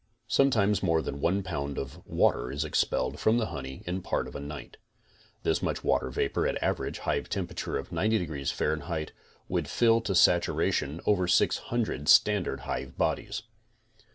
Sometimes more than one pound of water is expelled from the honey in part of a night. This much water vapor at average hive temperature of 90 deg. F. would fill to sat uration over 600 standard hive bodies.